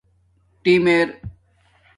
ٹَم ارے